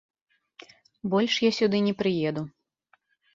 Больш я сюды не прыеду.